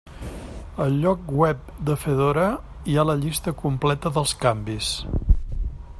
Al lloc web de Fedora hi ha la llista completa dels canvis.